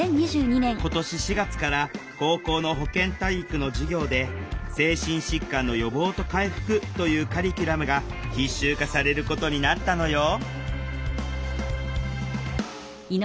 今年４月から高校の保健体育の授業で「精神疾患の予防と回復」というカリキュラムが必修化されることになったのよ